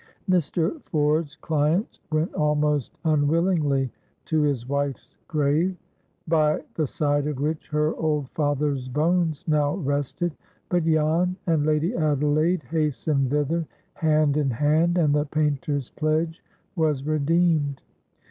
Mr. Ford's client went almost unwillingly to his wife's grave, by the side of which her old father's bones now rested. But Jan and Lady Adelaide hastened thither, hand in hand, and the painter's pledge was redeemed.